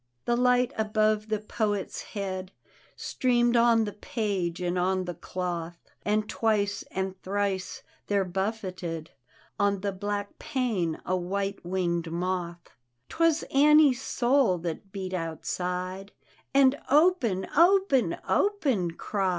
The light above the poet's head Streamed on the page and on the doth. And twice and thrice there buffeted On the black pane a white winged moth : Twas Annie's soul that beat outside, And, " Open, open, open I " cried.